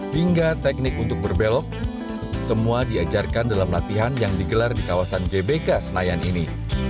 hingga teknik untuk berbelok semua diajarkan dalam latihan yang digelar di kawasan gbk senayan ini